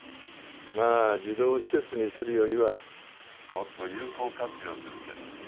まあ児童施設にするよりはもっと有効活用するけどね。